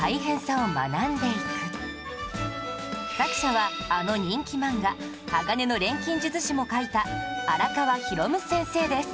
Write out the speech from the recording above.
作者はあの人気漫画『鋼の錬金術師』も描いた荒川弘先生です